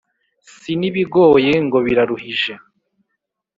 si n’ibigoye ngo biraruhije